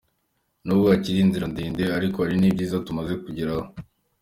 Nubwo hakiri inzira ndende ariko hari n’ibyiza tumaze kugeraho.